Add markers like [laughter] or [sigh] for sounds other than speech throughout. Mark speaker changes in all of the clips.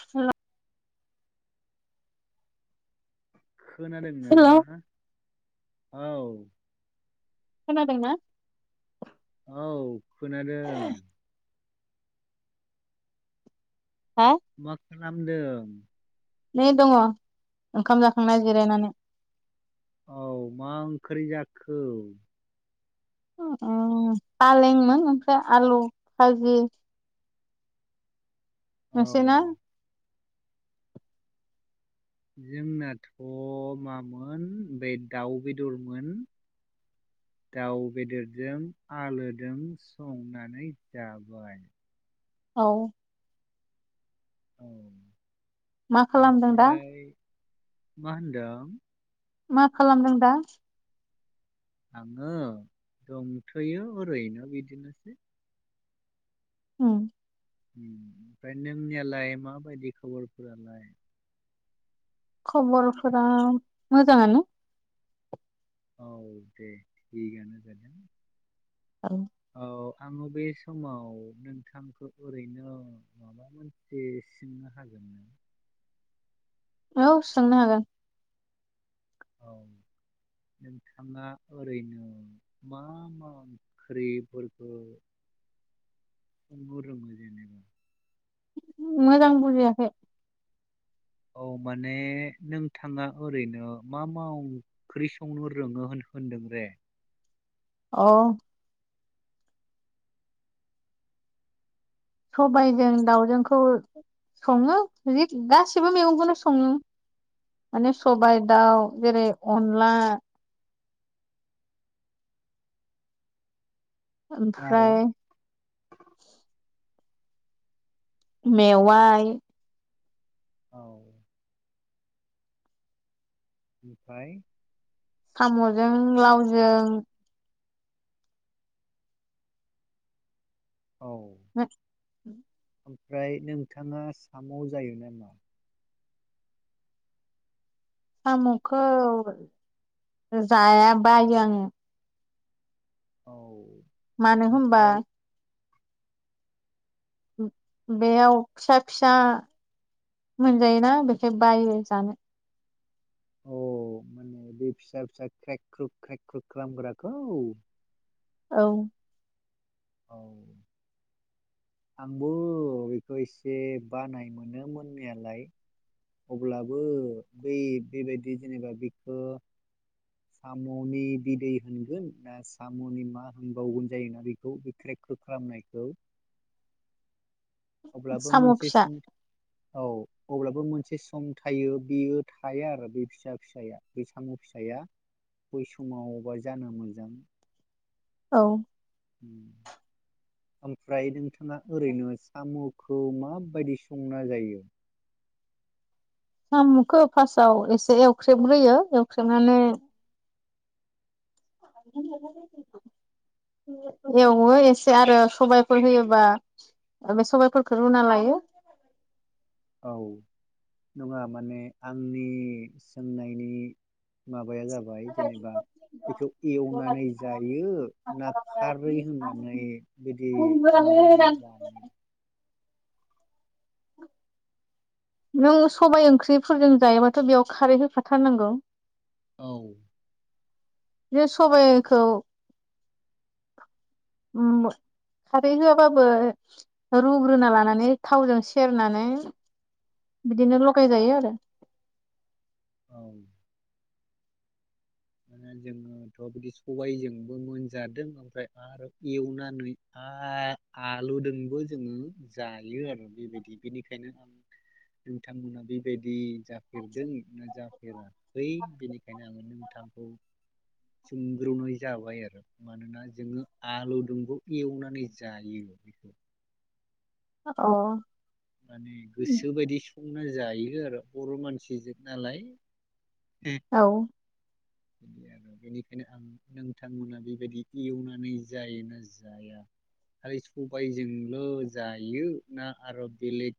Speaker 1: हेल'
Speaker 2: खोनादोंना?
Speaker 1: हेल'
Speaker 2: औ
Speaker 1: खोनादोंना?
Speaker 2: औ खोनादों।
Speaker 1: हा?
Speaker 2: मा खालामदों?
Speaker 1: नै दङ ओंखाम जाखांना जिरायनानै।
Speaker 2: औ मा ओंख्रि जाखो?
Speaker 1: ओ फालेंमोन ओमफ्राय आलु फाजि।
Speaker 2: औ
Speaker 1: नोंसिना?
Speaker 2: जोंनाथ' मामोन बे दाउ बेदरमोन दाउ बेदरजों आलोजों संनानै जाबाय।
Speaker 1: औ
Speaker 2: [unintelligible]
Speaker 1: मा खालामदों दा?
Speaker 2: ओमफ्राय मा होन्दोंं?
Speaker 1: मा खालामदों दा?
Speaker 2: आङो दंथो यो ओरैनो बिदिनो।
Speaker 1: होम
Speaker 2: ओमफ्राय नोंनियालाय माबायदि खबरफोरालाय?
Speaker 1: खबरफोरा मोजाङानो।
Speaker 2: औ दे थिगानो दे। औ आङो बे समाव नोंथांखौ ओरैनो माबा मोनसे सोंनो हागोन ना?
Speaker 1: औ सोंनो हागोन।
Speaker 2: औ नोंथाङा ओरैनो मा मा ओंख्रिफोरखौ संनो रोङो जेनेबा?
Speaker 1: मोजां बुजियाखै?
Speaker 2: औ माने नोंथाङा ओरैनो मा माव ओंख्रि संनो रोङो होन होनदों रे।
Speaker 1: अह सबायाइजों दाउजोंखौ सङो जि गासिबो मैगंखौनो सङो माने सबायाइ दाउ जेरै अनला।
Speaker 2: आरो
Speaker 1: ओमफ्राय मेवाइ
Speaker 2: औ ओमफ्राय
Speaker 1: साम'जों लावजों।
Speaker 2: औ
Speaker 1: साम'खौ
Speaker 2: ओमफ्राय नोंथाङा साम' जायो नामा?
Speaker 1: साम'खौ जाया बायो आङो।
Speaker 2: औ।
Speaker 1: मानो होनबा
Speaker 2: ओमफ्राय
Speaker 1: बेयाव फिसा फिसा मोनजायोना बेखाय बायो जानो।
Speaker 2: अ माने बे फिसा फिसा क्रेक-क्रुक, क्रेक-क्रुक खालामग्राखौ?
Speaker 1: औ
Speaker 2: औ आंबो बेखौ एसे बानाय मोनो मोननायालाय अब्लाबो बै बेबायदि जेनेबा बेखो साम'नि बिदै होनगोन ना साम'नि मा होन बावगोन जायोना बेखौ। ख्रेख-ख्रुख खालामनायखौ। अब्लाबो
Speaker 1: साम'
Speaker 2: मोनसे
Speaker 1: फिसा
Speaker 2: सम औ अब्लाबो मोनसे सम थायो बेयो थाया आरो बे फिसा फिसाया बे साम' फिसाया बै समावबा जानो मोजां।
Speaker 1: औ
Speaker 2: ओमफ्राय नोंथाङा ओरैनो साम'खौ माबायदि संना जायो?
Speaker 1: साम'खौ फार्स्ट आव एसे एवख्रेब ग्रोयो एवख्रेब नानै एवो एसे आरो सबाय फोर होयोबा बे सबाय फोरखौ रुना लायो।
Speaker 2: औ नङा माने आंनि सोंनायनि माबाया जाबाय जेनेबा बेखौ एवनानै जायो ना खारै होननानै बिदि माबादों जायो?
Speaker 1: नों सबाय ओंख्रि फोरजों जायोबाथ' बेयाव खारै होखा थारनांगौ।
Speaker 2: औ।
Speaker 1: बिदि सबायखौ उम खारै होआ बाबो रुग्रोना लानानै थावजों सेरनानै बिदिनो लगाय जायो आरो।
Speaker 2: औ। जोङोथ' बिदि सबाय जोंबो मोनजादों ओमफ्राय आरो एवनानै आरो आ आलु दोंबो जोङो जायो आरो बेबायदि बेनिखायनो आं नोंथां मोना बेबायदि जाफेरदों ना जाफेराखै बेनिखायनो आङो नोंथां सोंग्र' नाय जाबाय आरो। मानोना जोङो आलु दुंबो एवनानै जायो।
Speaker 1: अ
Speaker 2: माने गोसो बायदि संना जायो आरो बर' मानसिजों नालाय।
Speaker 1: औ।
Speaker 2: बिदि आरो बेनिखायनो आं नोंथांमोना बेबायदि एवनानै जायो ना जाया खालि सबायजोंल' जायो ना आरो बेलेग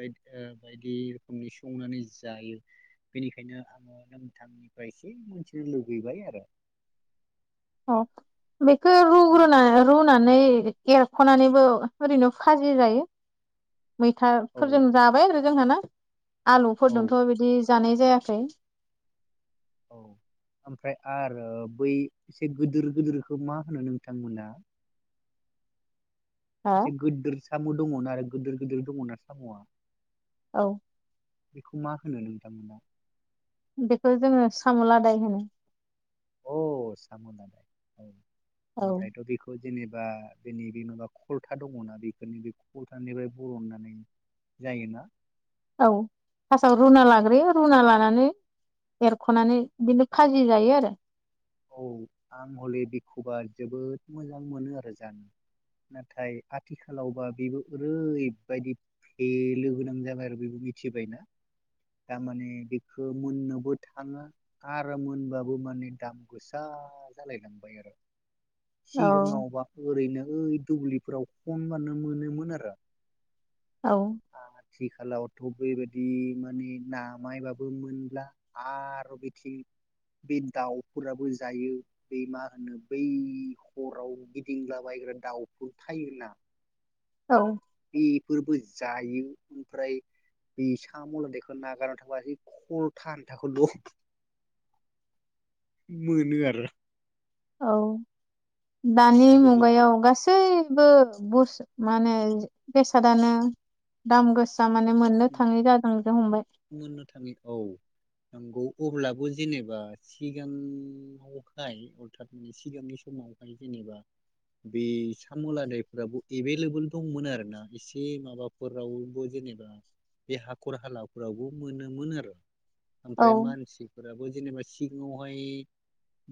Speaker 2: बाय ओ बायदि रोखोमनि संनानै जायो बेनिखायनो आङो नोंथां निफ्राय एसे मिथिनो लुगैबाय आरो।
Speaker 1: [unintelligible] बेखौ रुग्रोनाय रुना नै एरख' नानैबो ओरैनो फाजि जायो। मैथा
Speaker 2: औ
Speaker 1: फोरजों जाबाय आरो। जोंहा ना आलु
Speaker 2: औ
Speaker 1: फोर जोंथ' बिदि जानाय जायाखै।
Speaker 2: औ ओमफ्राय आरो बै एसे गोदोर गोदोरखौ मा होनो नोंथां मोना?
Speaker 1: हा
Speaker 2: [inaudible] साम' दङना आरो गोदोर गोदोर दङना साम'आ
Speaker 1: औ
Speaker 2: बेखौ मा होनो नोंथांमोना
Speaker 1: बेखौ जोङो साम' लादाय होनो।
Speaker 2: औ साम' लादाय औ।
Speaker 1: औ
Speaker 2: ओमफ्रायथ' बेखौ जेनेबा बेनि बे माबा खलथा दङना बेफोरनि बे खल्थानिफ्राय बरननानै जायोना।
Speaker 1: औ फासआव रुना लाग्रोयो रुना लानानै एरख'नानै बिदिनो खाजि जायो आरो।
Speaker 2: औ आं हले बेखौबा जोबोद मोजां मोनो आरो जानो नाथाय आथिखालावबा बेबो ओरैबायदि फेलो गोनां जाबाय आरो बेबो मिथिबायना थारमाने बेखौ मोननोबो थाङा आरो मोनबाबो माने दाम। गोसा जालायलांबाय आरो।
Speaker 1: औ
Speaker 2: सिगाङावबा ओरैनो ओइ दुब्लिफोराव खनबानो मोनोमोन आरो।
Speaker 1: औ।
Speaker 2: आथिखालावथ' बेबायदि माने नामायबाबो मोनब्ला आरो बिथिं बे दाउ फोराबो जायो बे मा होनो बै हराव गिदिंलाबायग्रा दाउफोर थायोना।
Speaker 1: औ।
Speaker 2: बेफोरबो जायो ओमफ्राय बे सामलदायखौ नागारनानै थांबा खलथा आन्थाखौ ल' मोनो आरो।
Speaker 1: औ दानि
Speaker 2: गोदोनिजों
Speaker 1: मुगायाव गासै जेबो बस माने बेसादानो दाम गोस थारमाने मोननो थाङै जादों जो हमबाय।
Speaker 2: मोननो थाङो औ नंगौ अब्लाबो जेनेबा सिगाङावहाय अरथात मे सिगांनि समावहाय जेनेबा बे साम'लादायफ्राबो एभेलेबोल दंमोन आरो ना एसे माबाफोरावबो जेनेबा बे हाखर हालाफोरावबो मोनोमोन आरो।
Speaker 1: औ
Speaker 2: ओमफ्राय मानसिफोराबो जेनेबा सि सिगाङावहाय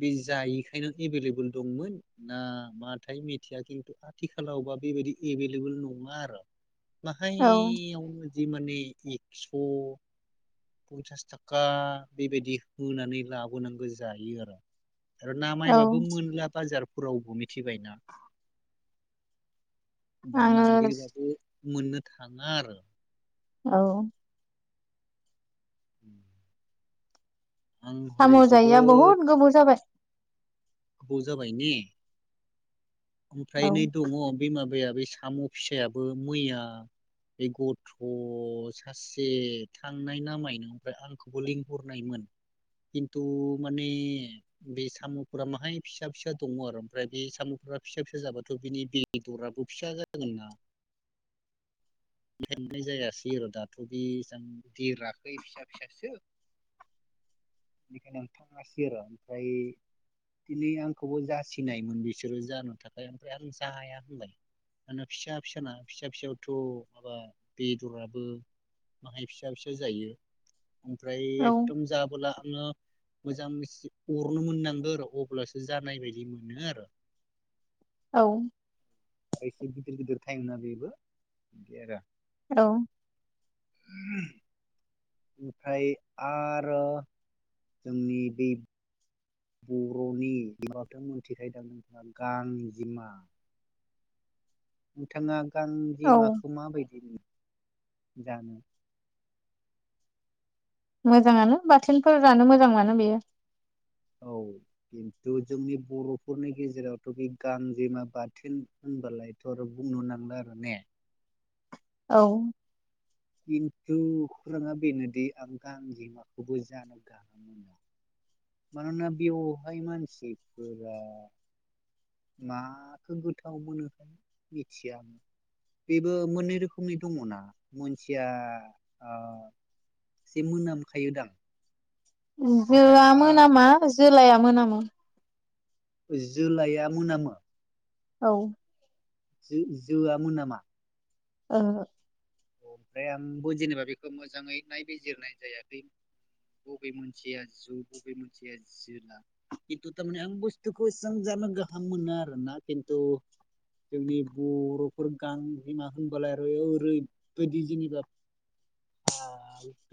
Speaker 2: बे जायिखायनो एभेलेबोल दंमोन ना माथाय मिथिया किन्तु आथिखालावबा बेबायदि एभेलेबोल नङा आरो।
Speaker 1: औ
Speaker 2: बाहायावनो जि माने एक्स' पन्सास थाका बेबायदि होनानै लाबोनांगौ जायो आरो। आरो ना
Speaker 1: औ
Speaker 2: मायबाबो मोनला बाजार रावबो मिथिबायना दा
Speaker 1: आङो
Speaker 2: नागिरबाबो मोननो थाङा आरो।
Speaker 1: औ।
Speaker 2: [inaudible] आं हले
Speaker 1: साम' जायैया
Speaker 2: जोबोद
Speaker 1: बहुत गोबाव जाबाय।
Speaker 2: गोबाव जाबाय ने ओमफ्राय
Speaker 1: औ
Speaker 2: नै दङ। बे माबाया बे साम' फिसायाबो मैया बे गथ' सासे थांनाय नामायनो ओमफ्राय आंखौबो लिंहरनायमोन खिन्थु माने बे साम'फोरा बाहाय फिसा फिसा दङ आरो ओमफ्राय बे साम'फोरा फिसा फिसा जाबाथ' बिनि बेदराबो फिसा जागोन ना। नायनाय जायासै आरो दाथ' बे एसां देराखै फिसा फिसासो बेखायनो आं थाङासै आर' ओमफाय दिनै आंखौबो जासिनायमोन बिसोरो जानो थाखाय ओमफ्राय आं जाया होनबाय दाना फिसा फिसाना फिसा फिसायावथ ' माबा बेदराबो माहाय फिसा - फिसा जायो। ओमफ्राय
Speaker 1: औ
Speaker 2: एकदम जाबोला आङो मोजां अरनो मोननांगौ आरो अब्लासो जानाय बायदि मोनो आरो
Speaker 1: औ
Speaker 2: आरोसे गदिर गदिर टाइमा बेबो बि आरो
Speaker 1: औ।
Speaker 2: ओमफ्राय आरो जोंनि बे बर'नि माबाथों मोनथिखायदां नोंथांङा गांजेमा नोंथांआ
Speaker 1: औ
Speaker 2: गांजिमाखौ माबायदि नुयो जानो
Speaker 1: मोजाङानो बाथोनफोर जानो मोजांआनो बेयो
Speaker 2: औ खिन्थु जोंनि बर'फोरनि गेजेरावथ' बे गांजेमा बाथोन होनबालायथ' आरो बुंनो नांला आरो ने
Speaker 1: औ।
Speaker 2: खिन्थु खौराङा बेनोदि आं गांजेमाखौबो जानो गाहाम मोना मानोना बेवहाय मानसिफोरा माखौ गोथाव मोनोखाय मिथिया आं बेबो मोननै रोखोमनि दङना मोन मसिया ओ एसे मोनामखायोदां ओमफ्राय
Speaker 1: जोआ
Speaker 2: आरो
Speaker 1: मोनामा जोलाया मोनामो
Speaker 2: जोलाया मोनामो
Speaker 1: औ।
Speaker 2: जोआ मोनामा
Speaker 1: ओहो
Speaker 2: ओमफ्राय आंबो जेनेबा बेखौ मोजाङै नायबिजिरनाय जायाखै बबे मोनसेया जु बबे मोनसेया जोला खिन्थु थारमाने आं बुस्थुखौ एसां जानो गाहाम मोनो आरोना खिन्थु जोंनि बर'फोर गांजिमा होनबला आरो ओरै बिदि जेनेबा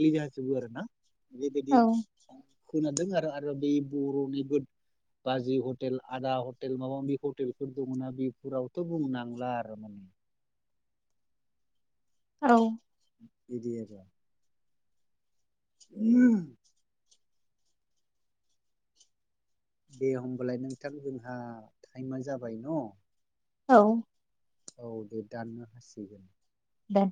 Speaker 2: लिजाजोबो आरो ना बेबायदि
Speaker 1: औ
Speaker 2: खोनादों आरो आरो बे बर'निबो बाजै हटेल आदा हटेल माबा माबि हटेलफोर दङनाा बेफोरावथ' बुंनांला आरो माने
Speaker 1: औ।
Speaker 2: बिदि आरो उ [inaudible] दे होमबालाय नोंथां जोंहा टाइमा जाबाय न
Speaker 1: औ।
Speaker 2: औ दे दाननो हासिगोन।
Speaker 1: दोन